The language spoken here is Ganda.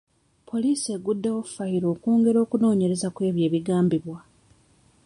Poliisi egguddewo fayiro okwongera okunoonyereza ku ebyo ebigambibwa.